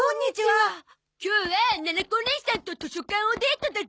今日はななこおねいさんと図書館おデートだゾ！